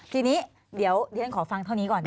ทีนี้เดี๋ยวฉันขอฟังเท่านี้ก่อน